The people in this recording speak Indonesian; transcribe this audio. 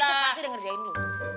buset itu pasti dia ngerjain lo